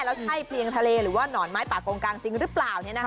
แล้วใช่เพียงทะเลหรือว่าหนอนไม้ป่ากงกลางจริงหรือเปล่า